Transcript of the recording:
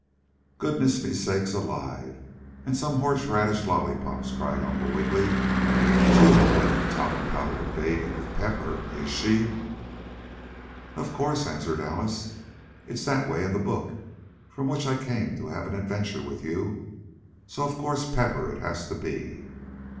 "Goodness me sakes alive and some horseradish lollypops!" cried Uncle Wiggily. "She isn't going to talcum powder the baby with pepper, is she?" "Of course," answered Alice. "It's that way in the book from which I came to have an adventure with you, so, of course, pepper it has to be.